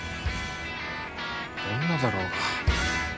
女だろうが。